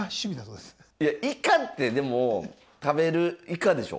イカってでも食べるイカでしょ？